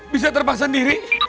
bisa terbang sendiri